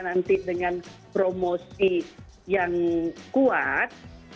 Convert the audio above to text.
nanti dengan promosi yang kuat